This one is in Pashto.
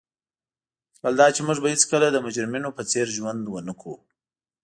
بل دا چي موږ به هیڅکله د مجرمینو په څېر ژوند ونه کړو.